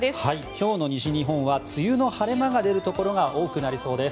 今日の西日本は梅雨の晴れ間が出るところが多くなりそうです。